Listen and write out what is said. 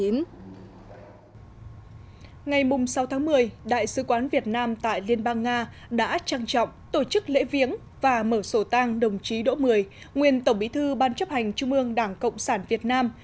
ngày sáu tháng một mươi đại sứ quán việt nam tại liên bang nga đã trang trọng tổ chức lễ viếng và mở sổ tang đồng chí đỗ mười nguyên tổng bí thư ban chấp hành trung ương đảng cộng sản việt nam